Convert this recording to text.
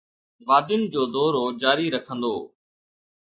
وادين جو دورو جاري رکندو